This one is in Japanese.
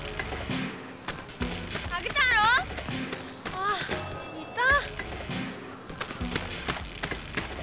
ああいた。